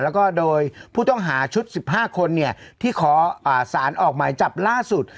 แล้วก็โดยผู้ต้องหาชุด๑๕คนที่ขอสารออกหมายจับล่าสุด